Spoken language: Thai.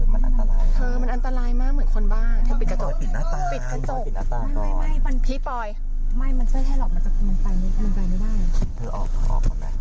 ไม่มันเจ้าให้หลอกมันจะไปมันกลายไม่ได้